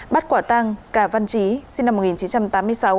bắt quả tăng cà văn trí sinh năm một nghìn chín trăm tám mươi sáu